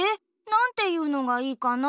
なんていうのがいいかな？